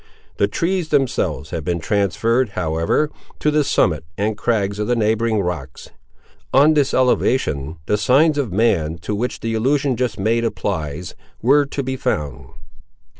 The trees themselves had been transferred, however, to the summit and crags of the neighbouring rocks. On this elevation the signs of man, to which the allusion just made applies, were to be found.